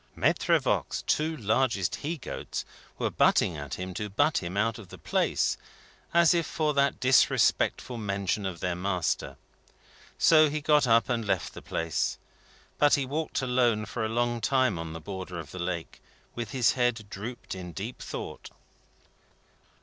Maitre Voigt's two largest he goats were butting at him to butt him out of the place, as if for that disrespectful mention of their master. So he got up and left the place. But he walked alone for a long time on the border of the lake, with his head drooped in deep thought.